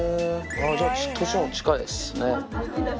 じゃあ、年も近いですね。